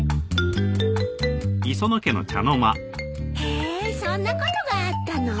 へぇそんなことがあったの？